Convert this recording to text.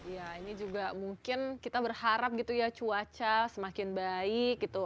ya ini juga mungkin kita berharap gitu ya cuaca semakin baik gitu